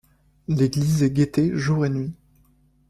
L’église est guettée jour et nuit.